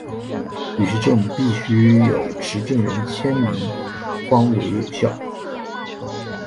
旅行证必须有持证人签名方为有效。